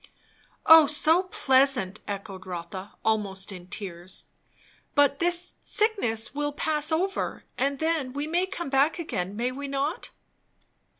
"Oh so pleasant!" echoed Rotha, almost in tears. "But this sickness will pass over; and then we may come back again, may we not?"